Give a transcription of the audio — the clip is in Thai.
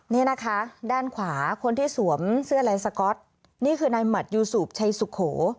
นี่นะคะด้านขวาคนที่สวมเสื้อลายสก๊อตนี่คือนายหมัดยูสูบชัยสุโข